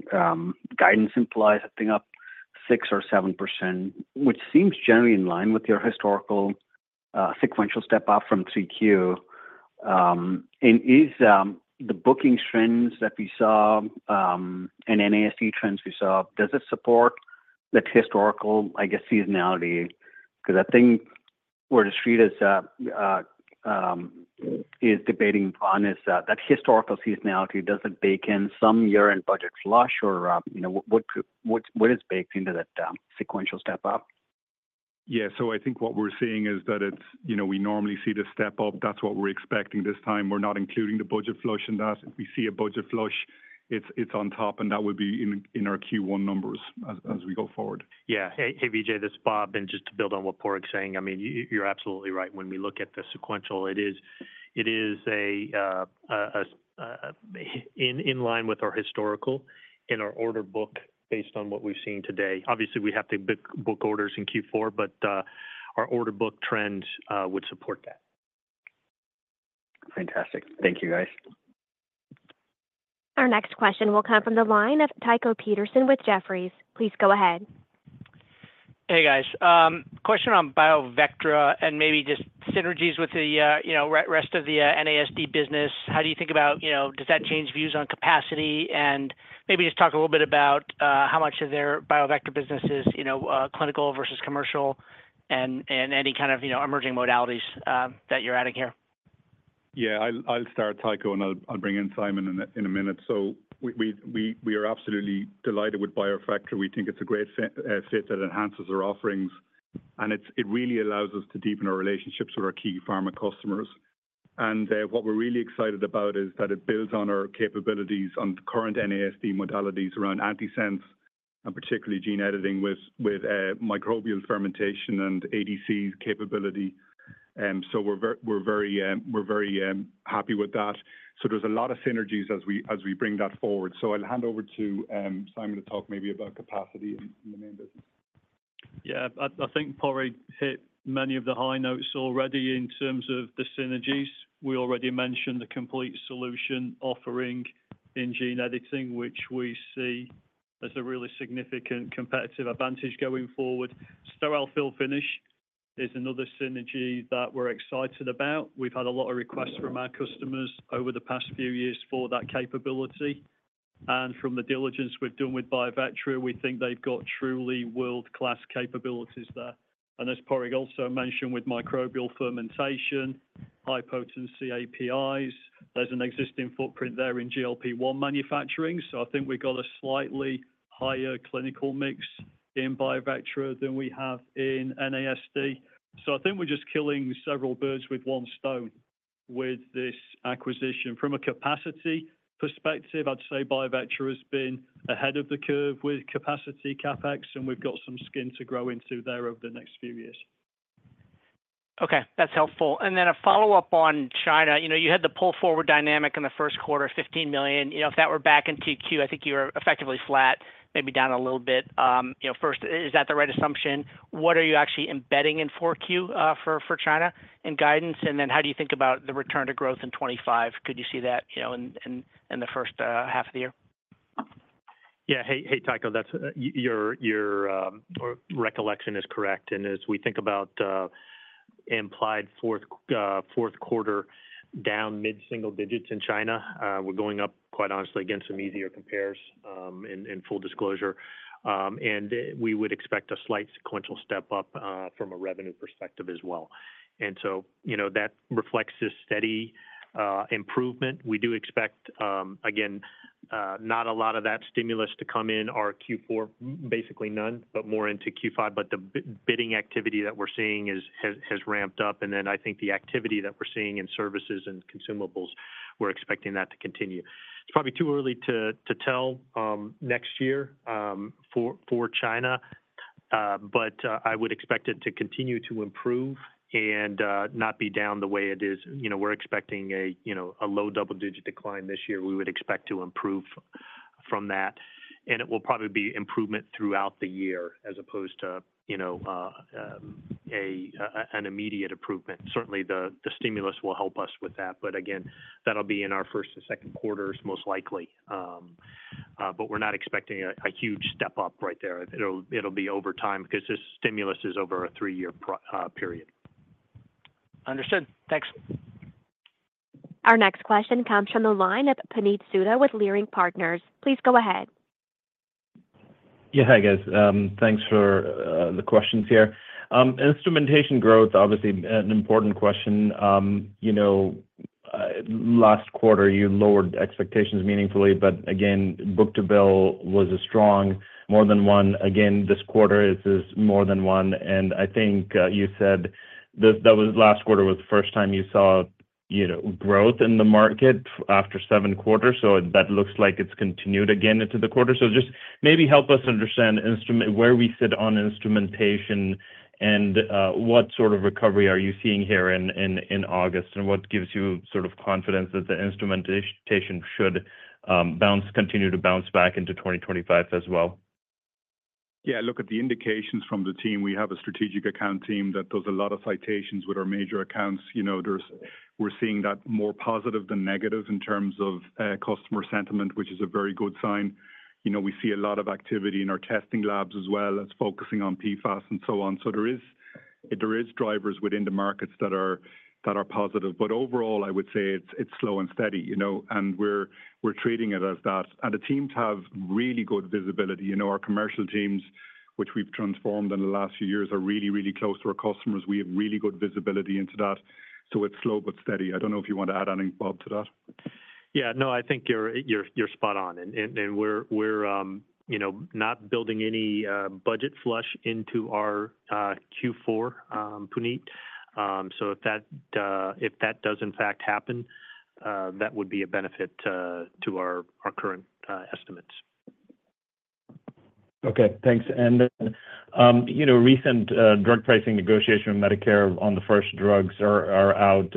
S11: guidance implies, I think up 6% or 7%, which seems generally in line with your historical sequential step up from 3Q. And is the bookings trends that we saw and NASD trends we saw, does it support the historical, I guess, seasonality? Because I think where The Street is debating on is that historical seasonality, does it bake in some year-end budget flush or, you know, what is baked into that sequential step up?
S3: Yeah. So I think what we're seeing is that it's, you know, we normally see the step up. That's what we're expecting this time. We're not including the budget flush in that. If we see a budget flush, it's on top, and that would be in our Q1 numbers as we go forward.
S4: Yeah. Hey, hey, Vijay, this is Bob. And just to build on what Padraig is saying, I mean, you're absolutely right. When we look at the sequential, it is in line with our historical in our order book based on what we've seen today. Obviously, we have to book orders in Q4, but our order book trends would support that.
S11: Fantastic. Thank you, guys.
S1: Our next question will come from the line of Tycho Peterson with Jefferies. Please go ahead.
S12: Hey, guys. Question on BioVectra and maybe just synergies with the, you know, rest of the NASD business. How do you think about... You know, does that change views on capacity? And maybe just talk a little bit about how much of their BioVectra businesses, you know, clinical versus commercial, and any kind of, you know, emerging modalities that you're adding here.
S3: Yeah, I'll start, Tycho, and I'll bring in Simon in a minute. So we are absolutely delighted with BioVectra. We think it's a great fit that enhances our offerings, and it really allows us to deepen our relationships with our key pharma customers. And what we're really excited about is that it builds on our capabilities on current NASD modalities around antisense and particularly gene editing with microbial fermentation and ADCs capability. So we're very happy with that. So there's a lot of synergies as we bring that forward. So I'll hand over to Simon to talk maybe about capacity in the main business.
S7: Yeah, I think Padraig hit many of the high notes already in terms of the synergies. We already mentioned the complete solution offering in gene editing, which we see as a really significant competitive advantage going forward. Sterile fill finish is another synergy that we're excited about. We've had a lot of requests from our customers over the past few years for that capability. And from the diligence we've done with BioVectra, we think they've got truly world-class capabilities there. And as Padraig also mentioned, with microbial fermentation, high potency APIs, there's an existing footprint there in GLP-1 manufacturing. So I think we've got a slightly higher clinical mix in BioVectra than we have in NASD. So I think we're just killing several birds with one stone with this acquisition. From a capacity perspective, I'd say BioVectra has been ahead of the curve with capacity CapEx, and we've got some room to grow into there over the next few years.
S12: Okay, that's helpful. And then a follow-up on China. You know, you had the pull-forward dynamic in the first quarter, $15 million. You know, if that were back in 2Q, I think you were effectively flat, maybe down a little bit. You know, first, is that the right assumption? What are you actually embedding in 4Q for China in guidance? And then how do you think about the return to growth in 2025? Could you see that, you know, in the first half of the year?
S4: Yeah. Hey, Tycho, that's your recollection is correct. And as we think about implied fourth quarter down mid-single digits in China, we're going up, quite honestly, against some easier compares, in full disclosure. And we would expect a slight sequential step up from a revenue perspective as well. And so, you know, that reflects this steady improvement. We do expect, again, not a lot of that stimulus to come in our Q4, basically none, but more into Q5. But the bidding activity that we're seeing has ramped up. And then I think the activity that we're seeing in services and consumables, we're expecting that to continue. It's probably too early to tell next year for China, but I would expect it to continue to improve and not be down the way it is. You know, we're expecting a you know, low double-digit decline this year. We would expect to improve from that, and it will probably be improvement throughout the year as opposed to, you know, an immediate improvement. Certainly, the stimulus will help us with that, but again, that'll be in our first and second quarters, most likely. But we're not expecting a huge step up right there. It'll be over time because this stimulus is over a three-year period.
S12: Understood. Thanks.
S1: Our next question comes from the line of Puneet Souda with Leerink Partners. Please go ahead.
S13: Yeah, hi, guys. Thanks for the questions here. Instrumentation growth, obviously, an important question. You know, last quarter, you lowered expectations meaningfully, but again, book-to-bill was a strong more than one. Again, this quarter, it is more than one, and I think, you said that that was last quarter was the first time you saw, you know, growth in the market after seven quarters. So that looks like it's continued again into the quarter. So just maybe help us understand instrumentation and where we sit on instrumentation and what sort of recovery are you seeing here in August, and what gives you sort of confidence that the instrumentation should continue to bounce back into twenty twenty-five as well?
S3: Yeah, look at the indications from the team. We have a strategic account team that does a lot of visits with our major accounts. You know, there's we're seeing that more positive than negative in terms of customer sentiment, which is a very good sign. You know, we see a lot of activity in our testing labs as well as focusing on PFAS and so on. So there is drivers within the markets that are positive, but overall, I would say it's slow and steady, you know, and we're treating it as that. And the teams have really good visibility. You know, our commercial teams, which we've transformed in the last few years, are really, really close to our customers. We have really good visibility into that, so it's slow but steady. I don't know if you want to add anything, Bob, to that.
S4: Yeah. No, I think you're spot on, and we're, you know, not building any budget flush into our Q4, Puneet. So if that does in fact happen, that would be a benefit to our current estimates.
S13: Okay, thanks, and you know, recent drug pricing negotiation with Medicare on the first drugs are out.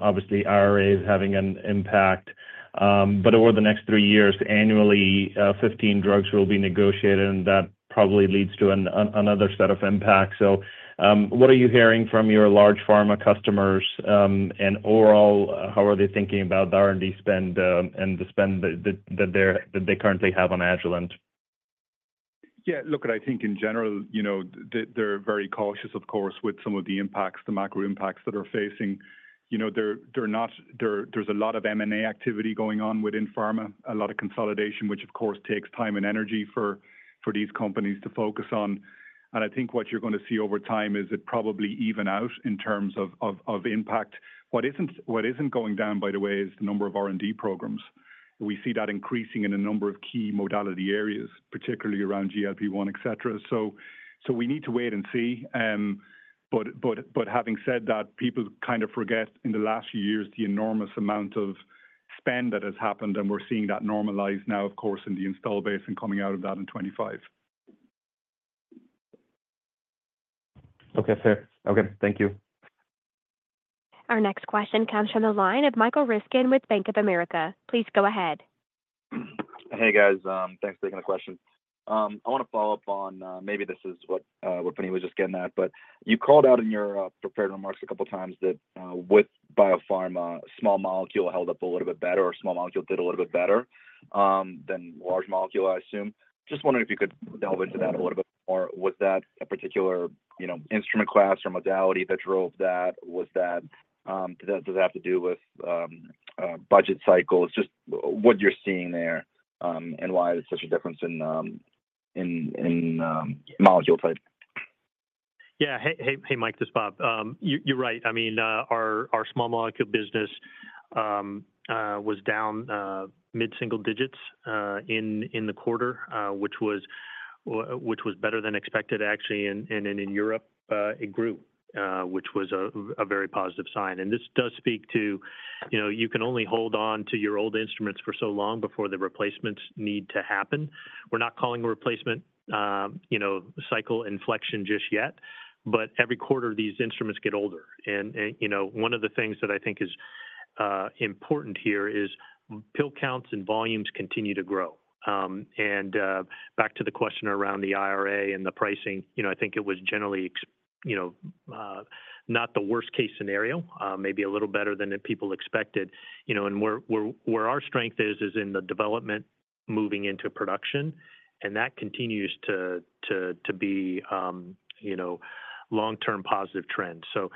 S13: Obviously, IRA is having an impact, but over the next three years, annually, 15 drugs will be negotiated, and that probably leads to another set of impacts. So, what are you hearing from your large pharma customers? And overall, how are they thinking about the R&D spend, and the spend that they currently have on Agilent?
S3: Yeah, look, I think in general, you know, they, they're very cautious, of course, with some of the impacts, the macro impacts that we're facing. You know, they're not. There, there's a lot of M&A activity going on within pharma, a lot of consolidation, which of course takes time and energy for these companies to focus on. And I think what your gonna see over time is it probably even out in terms of impact. What isn't, what isn't going down, by the way, is the number of R&D programs. We see that increasing in a number of key modality areas, particularly around GLP-1, et cetera. So we need to wait and see. But having said that, people kind of forget in the last few years the enormous amount of spending that has happened, and we're seeing that normalize now, of course, in the installed base and coming out of that in 2025.
S13: Okay, fair. Okay, thank you.
S1: Our next question comes from the line of Michael Ryskin with Bank of America. Please go ahead.
S14: Hey, guys. Thanks for taking the question. I want to follow up on, maybe this is what Puneet was just getting at, but you called out in your prepared remarks a couple of times that with biopharma, small molecule held up a little bit better, or small molecule did a little bit better than large molecule, I assume. Just wondering if you could delve into that a little bit more. Was that a particular, you know, instrument class or modality that drove that? Was that does that have to do with budget cycles? Just what you're seeing there, and why there's such a difference in molecule type.
S4: Yeah. Hey, hey, hey, Mike, this is Bob. You're right. I mean, our small molecule business was down mid-single digits in the quarter, which was better than expected, actually. And in Europe, it grew, which was a very positive sign. And this does speak to, you know, you can only hold on to your old instruments for so long before the replacements need to happen. We're not calling a replacement cycle inflection just yet, but every quarter, these instruments get older. And, you know, one of the things that I think is important here is pill counts and volumes continue to grow. Back to the question around the IRA and the pricing, you know, I think it was generally expected, you know, not the worst-case scenario, maybe a little better than the people expected, you know, and where our strength is in the development moving into production, and that continues to be, you know, long-term positive trends. So,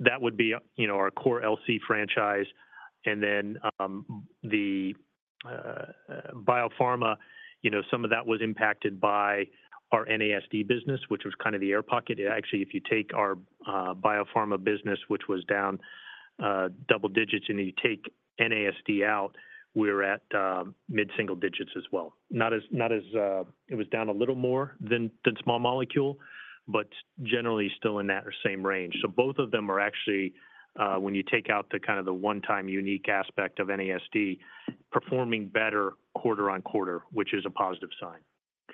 S4: that would be, you know, our core LC franchise, and then the biopharma, you know, some of that was impacted by our NASD business, which was kind of the air pocket. Actually, if you take our biopharma business, which was down double digits, and you take NASD out, we're at mid-single digits as well. Not as... It was down a little more than small molecule, but generally still in that same range. So both of them are actually, when you take out the kind of one-time unique aspect of NASD, performing better quarter on quarter, which is a positive sign.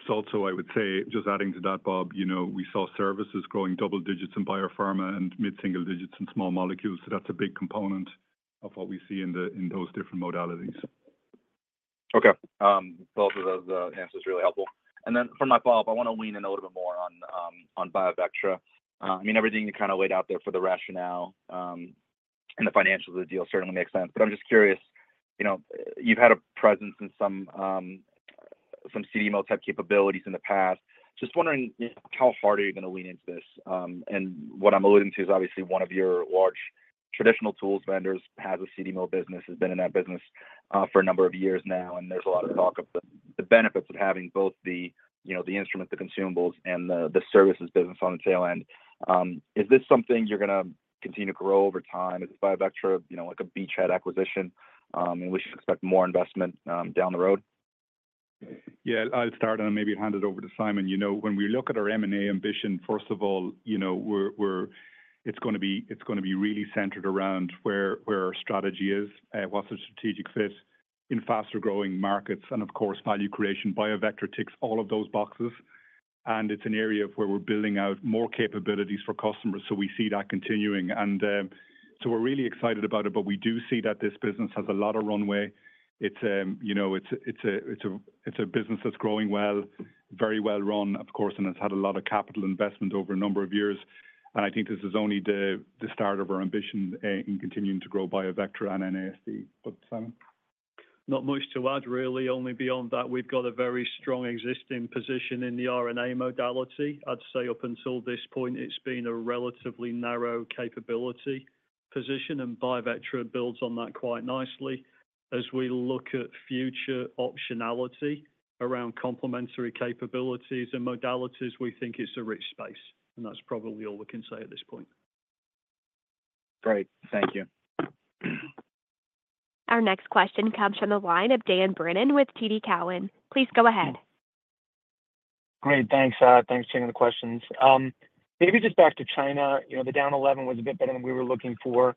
S3: So also, I would say, just adding to that, Bob, you know, we saw services growing double digits in biopharma and mid-single digits in small molecules, so that's a big component of what we see in those different modalities.
S14: Okay. Both of those answers are really helpful. And then for my follow-up, I want to lean a little bit more on, on BioVectra. I mean, everything you kind of laid out there for the rationale, and the financials of the deal certainly makes sense. But I'm just curious, you know, you've had a presence in some, some CDMO-type capabilities in the past. Just wondering how far are you going to lean into this? And what I'm alluding to is obviously one of your large traditional tools vendors has a CDMO business, has been in that business, for a number of years now, and there's a lot of talk of the benefits of having both the, you know, the instrument, the consumables, and the services business on the tail end. Is this something you're going to continue to grow over time? Is BioVectra, you know, like a beachhead acquisition, and we should expect more investment, down the road?
S3: Yeah, I'll start and maybe hand it over to Simon. You know, when we look at our M&A ambition, first of all, you know, we're-- it's gonna be really centered around where our strategy is, what's the strategic fit in faster-growing markets, and of course, value creation. BioVectra ticks all of those boxes, and it's an area where we're building out more capabilities for customers, so we see that continuing. And, so we're really excited about it, but we do see that this business has a lot of runway. It's, you know, it's a business that's growing well, very well run, of course, and it's had a lot of capital investment over a number of years. And I think this is only the start of our ambition in continuing to grow BioVectra and NASD. But, Simon?
S7: Not much to add, really, only beyond that, we've got a very strong existing position in the RNA modality. I'd say up until this point, it's been a relatively narrow capability position, and BioVectra builds on that quite nicely. As we look at future optionality around complementary capabilities and modalities, we think it's a rich space, and that's probably all we can say at this point.
S14: Great. Thank you.
S1: Our next question comes from the line of Dan Brennan with TD Cowen. Please go ahead.
S15: Great. Thanks for taking the questions. Maybe just back to China, you know, the down 11% was a bit better than we were looking for.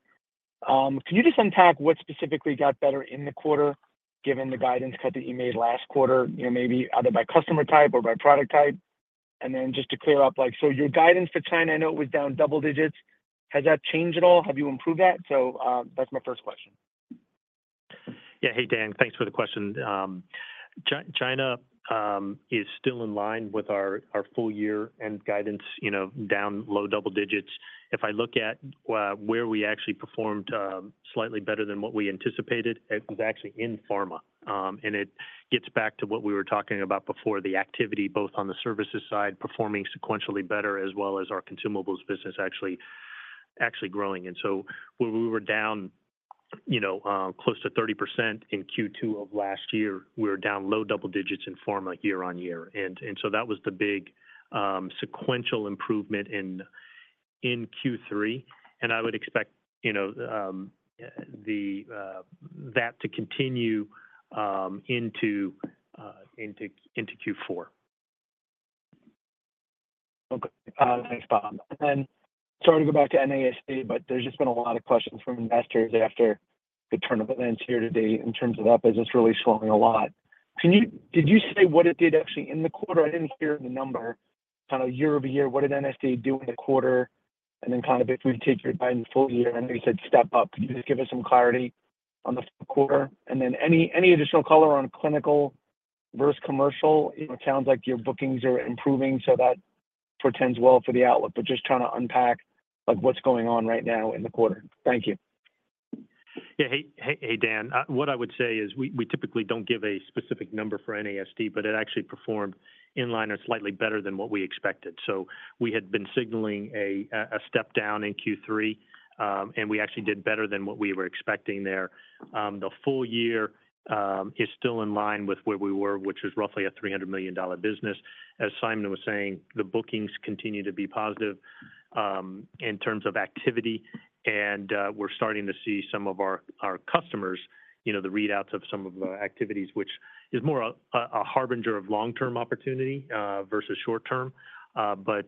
S15: Can you just unpack what specifically got better in the quarter, given the guidance cut that you made last quarter? You know, maybe either by customer type or by product type. And then just to clear up, like, so your guidance for China, I know it was down double digits. Has that changed at all? Have you improved that? That's my first question.
S4: Yeah. Hey, Dan. Thanks for the question. China is still in line with our full year and guidance, you know, down low double digits. If I look at where we actually performed slightly better than what we anticipated, it was actually in pharma. And it gets back to what we were talking about before, the activity, both on the services side, performing sequentially better, as well as our consumables business actually growing. And so where we were down, you know, close to 30% in Q2 of last year, we were down low double digits in pharma year on year. And so that was the big sequential improvement in Q3, and I would expect, you know, that to continue into Q4.
S15: Okay, thanks, Bob. And then sorry to go back to NASD, but there's just been a lot of questions from investors after the turn of events year to date in terms of that business really slowing a lot. Did you say what it did actually in the quarter? I didn't hear the number. Kind of year over year, what did NASD do in the quarter? And then kind of if we take it by the full year, I know you said step up. Can you just give us some clarity on the fourth quarter? And then any additional color on clinical versus commercial. It sounds like your bookings are improving, so that portends well for the outlook. But just trying to unpack, like, what's going on right now in the quarter. Thank you.
S4: Yeah. Hey, hey, hey, Dan, what I would say is we typically don't give a specific number for NASD, but it actually performed in line or slightly better than what we expected. So we had been signaling a step down in Q3, and we actually did better than what we were expecting there. The full year is still in line with where we were, which is roughly a $300 million business. As Simon was saying, the bookings continue to be positive in terms of activity, and we're starting to see some of our customers, you know, the readouts of some of our activities, which is more a harbinger of long-term opportunity versus short term. But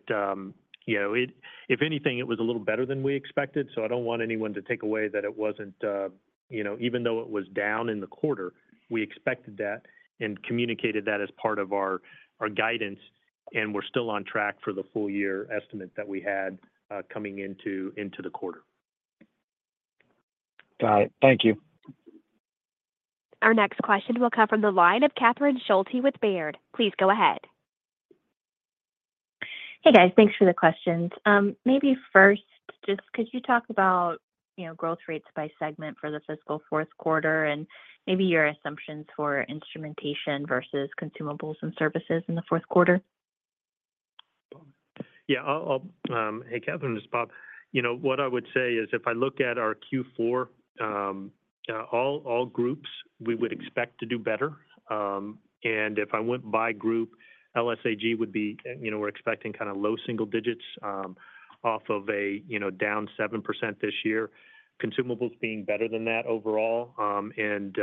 S4: you know, if anything, it was a little better than we expected, so I don't want anyone to take away that it wasn't. You know, even though it was down in the quarter, we expected that and communicated that as part of our guidance, and we're still on track for the full year estimate that we had coming into the quarter.
S15: Got it. Thank you.
S1: Our next question will come from the line of Catherine Schulte with Baird. Please go ahead.
S16: Hey, guys. Thanks for the questions. Maybe first, just could you talk about, you know, growth rates by segment for the fiscal fourth quarter and maybe your assumptions for instrumentation versus consumables and services in the fourth quarter?
S4: Yeah, hey, Catherine, this is Bob. You know, what I would say is, if I look at our Q4, all groups, we would expect to do better, and if I went by group, LSAG would be, you know, we're expecting kind of low single digits, off of a, you know, down 7% this year. Consumables being better than that overall, and,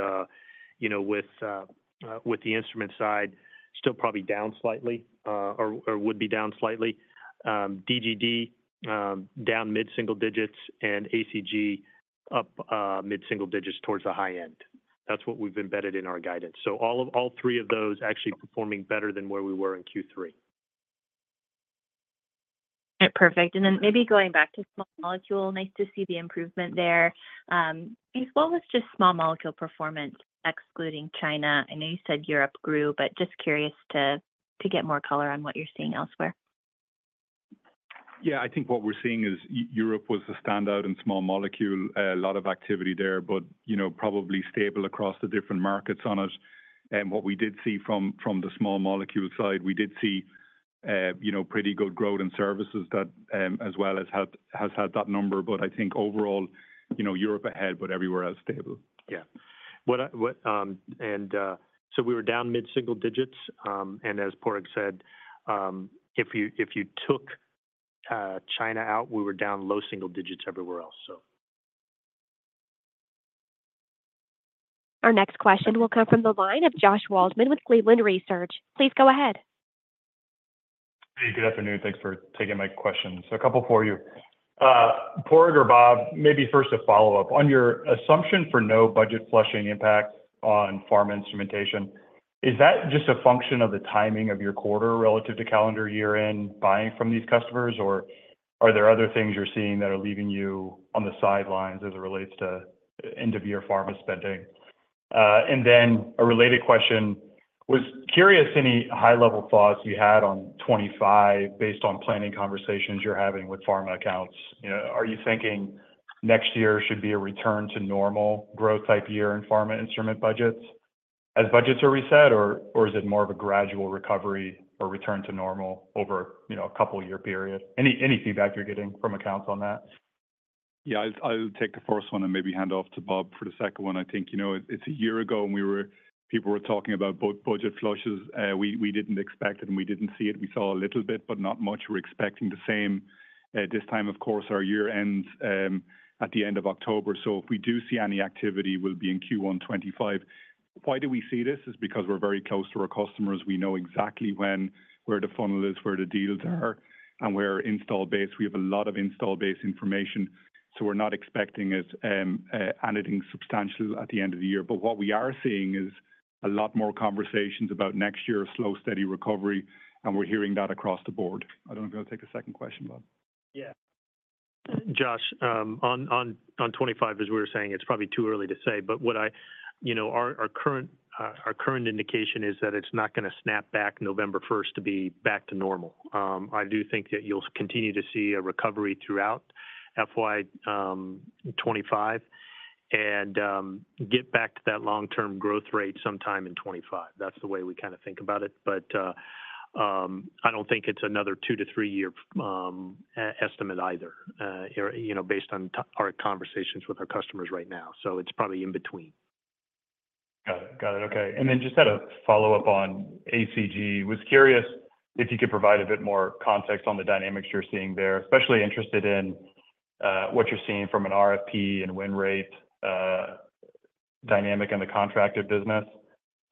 S4: you know, with, with the instrument side, still probably down slightly, or would be down slightly. DGG, down mid-single digits and ACG up, mid-single digits towards the high end. That's what we've embedded in our guidance, so all three of those actually performing better than where we were in Q3.
S16: Yeah, perfect. And then maybe going back to small molecule, nice to see the improvement there. As well as just small molecule performance, excluding China. I know you said Europe grew, but just curious to get more color on what you're seeing elsewhere.
S3: Yeah, I think what we're seeing is Europe was the standout in small molecule. A lot of activity there, but you know, probably stable across the different markets on it. And what we did see from the small molecule side, we did see you know, pretty good growth in services that as well as helped has had that number. But I think overall, you know, Europe ahead, but everywhere else, stable.
S4: Yeah. And so we were down mid-single digits, and as Padraig said, if you took China out, we were down low single digits everywhere else, so.
S1: Our next question will come from the line of Josh Waldman with Cleveland Research. Please go ahead.
S17: Hey, good afternoon. Thanks for taking my questions. So a couple for you. Padraig or Bob, maybe first a follow-up. On your assumption for no budget flushing impact on pharma instrumentation, is that just a function of the timing of your quarter relative to calendar year end buying from these customers, or are there other things you're seeing that are leaving you on the sidelines as it relates to end-of-year pharma spending? And then a related question: I was curious any high-level thoughts you had on twenty-five based on planning conversations you're having with pharma accounts. You know, are you thinking next year should be a return to normal growth type year in pharma instrument budgets as budgets are reset, or is it more of a gradual recovery or return to normal over, you know, a couple-year period? Any feedback you're getting from accounts on that?
S3: Yeah, I'll take the first one and maybe hand off to Bob for the second one. I think, you know, it's a year ago, and people were talking about budget flushes. We didn't expect it, and we didn't see it. We saw a little bit, but not much. We're expecting the same at this time. Of course, our year ends at the end of October, so if we do see any activity, we'll be in Q1 2025. Why do we see this? Is because we're very close to our customers. We know exactly when, where the funnel is, where the deals are, and where install base. We have a lot of install base information, so we're not expecting anything substantial at the end of the year. But what we are seeing is a lot more conversations about next year, a slow, steady recovery, and we're hearing that across the board. I don't know if you want to take the second question, Bob.
S4: Yeah. Josh, on 2025, as we were saying, it's probably too early to say, but what I... You know, our current indication is that it's not gonna snap back November first to be back to normal. I do think that you'll continue to see a recovery throughout FY 2025 and get back to that long-term growth rate sometime in 2025. That's the way we kinda think about it, but I don't think it's another two to three-year estimate either, you know, based on our conversations with our customers right now. So it's probably in between.
S17: Got it. Got it, okay. And then just had a follow-up on ACG. Was curious if you could provide a bit more context on the dynamics you're seeing there. Especially interested in what you're seeing from an RFP and win rate dynamic in the contracted business.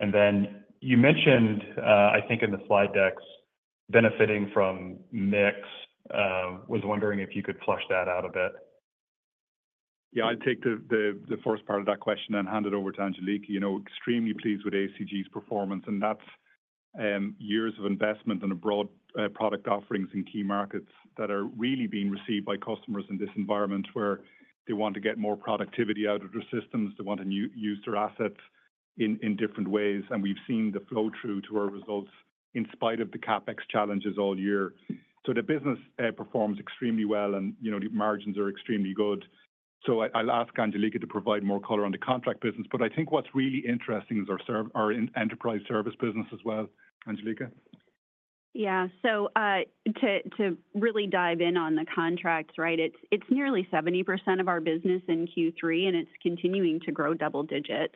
S17: And then you mentioned, I think in the slide decks, benefiting from mix. Was wondering if you could flesh that out a bit?
S3: Yeah, I'll take the first part of that question and hand it over to Angelica. You know, extremely pleased with ACG's performance, and that's years of investment in a broad product offerings in key markets that are really being received by customers in this environment, where they want to get more productivity out of their systems. They want to use their assets in different ways, and we've seen the flow-through to our results in spite of the CapEx challenges all year. So the business performs extremely well, and, you know, the margins are extremely good. So I'll ask Angelica to provide more color on the contract business, but I think what's really interesting is our enterprise service business as well. Angelica?
S9: Yeah. So, to really dive in on the contracts, right? It's nearly 70% of our business in Q3, and it's continuing to grow double digits.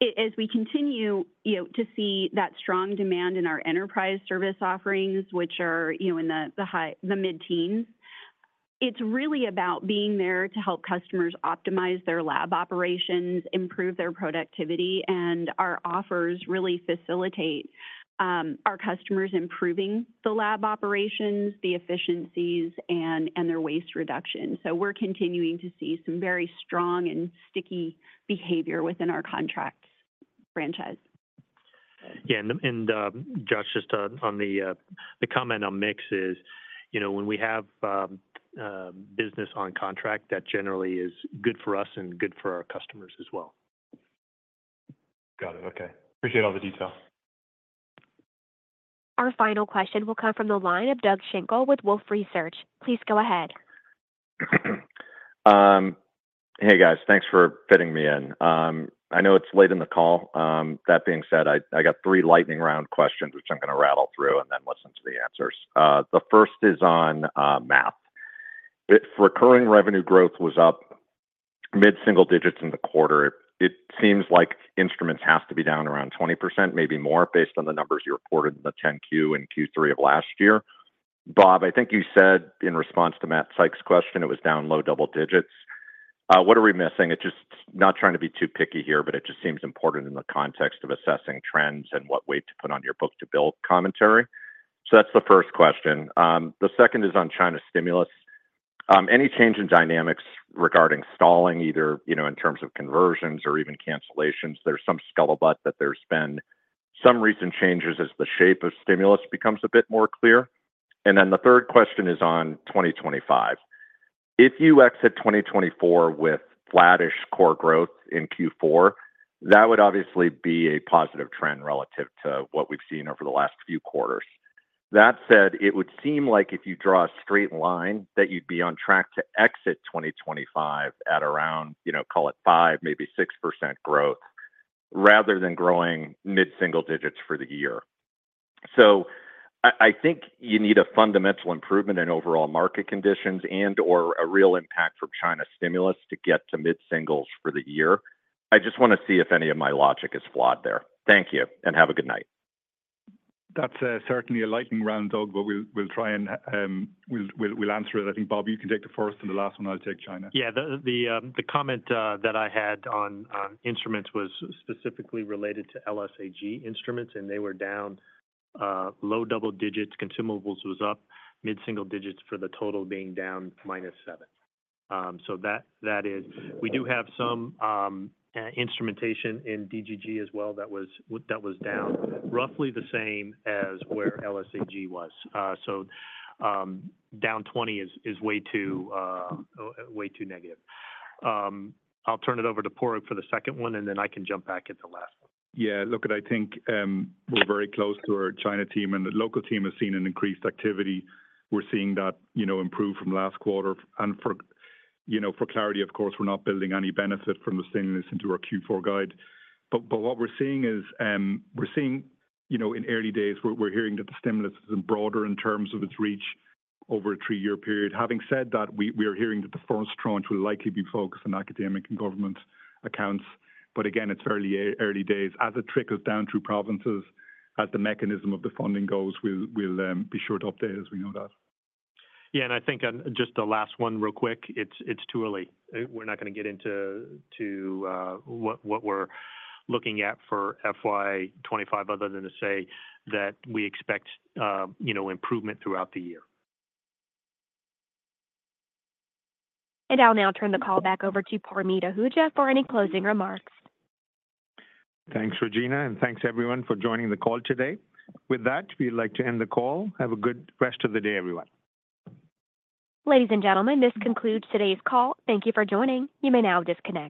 S9: As we continue, you know, to see that strong demand in our enterprise service offerings, which are, you know, in the mid-teens, it's really about being there to help customers optimize their lab operations, improve their productivity. And our offers really facilitate our customers improving the lab operations, the efficiencies, and their waste reduction. So we're continuing to see some very strong and sticky behavior within our contracts franchise.
S4: Yeah, and Josh, just on the comment on mix, you know, when we have business on contract, that generally is good for us and good for our customers as well.
S17: Got it. Okay. Appreciate all the detail.
S1: Our final question will come from the line of Doug Schenkel with Wolfe Research. Please go ahead.
S18: Hey, guys. Thanks for fitting me in. I know it's late in the call. That being said, I got three lightning round questions, which I'm gonna rattle through and then listen to the answers. The first is on math. If recurring revenue growth was up mid-single digits in the quarter, it seems like instruments have to be down around 20%, maybe more, based on the numbers you reported in the 10-Q in Q3 of last year. Bob, I think you said in response to Matt Sykes' question, it was down low double digits. What are we missing? It's just not trying to be too picky here, but it just seems important in the context of assessing trends and what weight to put on your book-to-bill commentary. So that's the first question. The second is on China stimulus. Any change in dynamics regarding stalling, either, you know, in terms of conversions or even cancellations? There's some scuttlebutt that there's been some recent changes as the shape of stimulus becomes a bit more clear. Then the third question is on 2025. If you exit 2024 with flattish core growth in Q4, that would obviously be a positive trend relative to what we've seen over the last few quarters. That said, it would seem like if you draw a straight line, that you'd be on track to exit 2025 at around, you know, call it 5%, maybe 6% growth, rather than growing mid-single digits for the year. I think you need a fundamental improvement in overall market conditions and/or a real impact from China stimulus to get to mid-singles for the year. I just want to see if any of my logic is flawed there. Thank you, and have a good night.
S3: That's certainly a lightning round, Doug, but we'll try and we'll answer it. I think, Bob, you can take the first and the last one. I'll take China.
S4: Yeah. The comment that I had on instruments was specifically related to LSAG instruments, and they were down low double digits. Consumables was up mid-single digits for the total being down -7%. So that is. We do have some instrumentation in DGG as well that was down, roughly the same as where LSAG was. So down 20% is way too negative. I'll turn it over to Padraig for the second one, and then I can jump back at the last one.
S3: Yeah. Look, I think, we're very close to our China team, and the local team has seen an increased activity. We're seeing that, you know, improve from last quarter. And, you know, for clarity, of course, we're not building any benefit from the stimulus into our Q4 guide. But what we're seeing is, you know, in early days, we're hearing that the stimulus is broader in terms of its reach over a three-year period. Having said that, we are hearing that the first tranche will likely be focused on academic and government accounts. But again, it's early days. As it trickles down through provinces, as the mechanism of the funding goes, we'll be sure to update as we know that.
S4: Yeah, and I think just the last one real quick, it's too early. We're not gonna get into what we're looking at for FY twenty-five other than to say that we expect, you know, improvement throughout the year.
S1: And I'll now turn the call back over to Parmeet Ahuja for any closing remarks.
S2: Thanks, Regina, and thanks everyone for joining the call today. With that, we'd like to end the call. Have a good rest of the day, everyone.
S1: Ladies and gentlemen, this concludes today's call. Thank you for joining. You may now disconnect.